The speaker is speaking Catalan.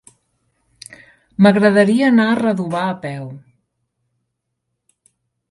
M'agradaria anar a Redovà a peu.